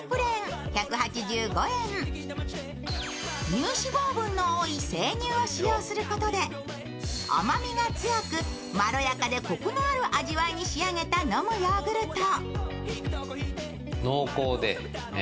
乳脂肪分の多い生乳を使用することで甘みが強くまるやかでこくのある味わいに仕上げたのむヨーグルト。